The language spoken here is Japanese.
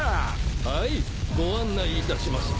はいご案内いたします。